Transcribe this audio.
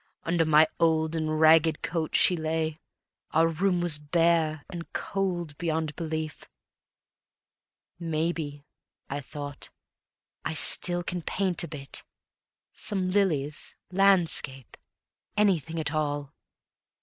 Under my old and ragged coat she lay, Our room was bare and cold beyond belief. "Maybe," I thought, "I still can paint a bit, Some lilies, landscape, anything at all."